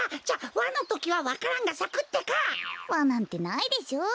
ワなんてないでしょ。